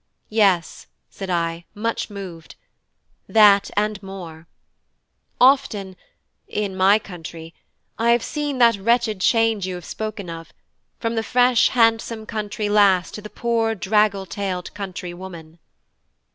"Yes," said I, much moved; "that and more. Often in my country I have seen that wretched change you have spoken of, from the fresh handsome country lass to the poor draggle tailed country woman."